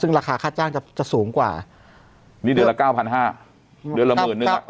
ซึ่งราคาค่าจ้างจะสูงกว่านี่เดือนละเก้าพันห้าเดือนละหมื่นนึงอ่ะ